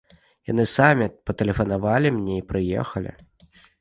Яны самі патэлефанавалі мне і прыехалі.